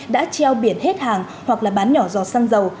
đã treo biển hết hàng hoặc là bán nhỏ dò xăng dầu